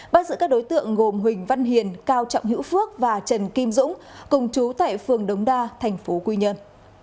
bắt giữ các đối tượng gồm huỳnh văn hiền cao trọng hữu phước và trần kim dũng cùng trú tại phường đống đa tp quy nhơn